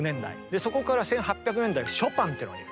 そこから１８００年代ショパンというのがいる。